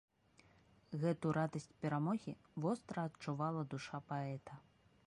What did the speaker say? Гэту радасць перамогі востра адчувала душа паэта.